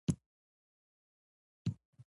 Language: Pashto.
شیخ دوی ته وویل چې غم مه کوی.